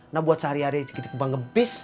nah buat sehari hari